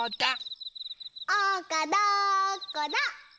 ・おうかどこだ？